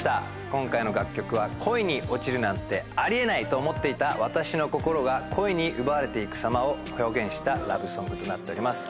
今回の楽曲は恋に落ちるなんてありえないと思っていたわたしの心が恋に奪われていくさまを表現したラブソングとなっております